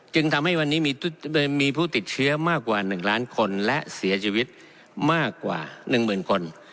จึงทำให้วันนี้มีผู้ติดเชื้อมากกว่า๑ล้านคนและเสียชีวิตมากกว่า๑หมื่นคน